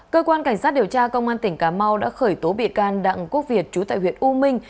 cơ quan cảnh sát điều tra công an tỉnh cà mau đã khởi tố bị can đặng quốc việt trú tại huyện u minh